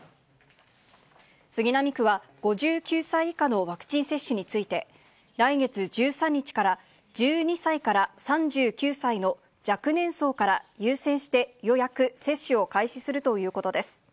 杉並区は、５９歳以下のワクチン接種について、来月１３日から１２歳から３９歳の若年層から優先して予約・接種を開始するということです。